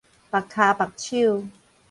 縛跤縛手